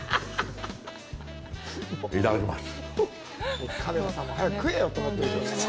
いただきます。